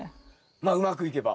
まあうまくいけば。